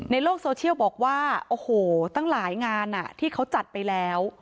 ในโลกโซเชียลบอกว่าโอ้โหตั้งหลายงานที่เขาจัดไปแล้ว